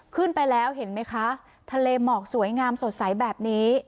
ขึ้นไปแล้วเห็นไหมคะทะเลหมอกสวยงามสดใสแบบนี้